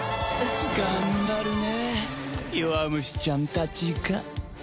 頑張るねえ弱虫ちゃんたちが。